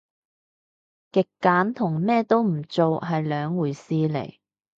極簡同咩都唔做係兩回事嚟